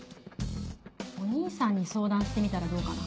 お兄さんに相談してみたらどうかな。